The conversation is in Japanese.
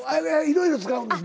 色々使うんです。